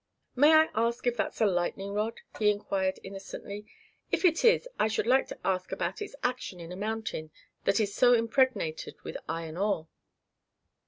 "May I ask if that's a lightning rod?" he inquired innocently. "If it is, I should like to ask about its action in a mountain that is so impregnated with iron ore.